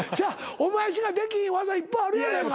お前しかできひん業いっぱいあるやないか。